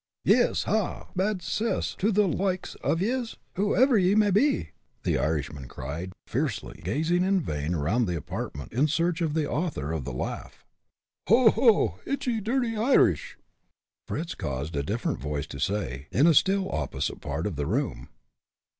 "Yis, ha! ha! bad 'cess to the loikes av yez, whoever ye may be!" the Irishman cried, fiercely, gazing in vain around the apartment, in search of the author of the laugh. "Ho! ho! itchy, dirdty Irish!" Fritz caused a different voice to say, in a still opposite part of the room.